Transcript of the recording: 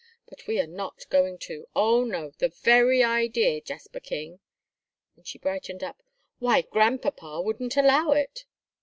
"But we are not going to; oh, no, the very idea, Jasper King!" and she brightened up. "Why, Grandpapa wouldn't allow it."